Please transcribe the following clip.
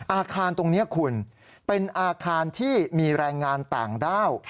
อาคารตรงนี้คุณเป็นอาคารที่มีแรงงานต่างด้าว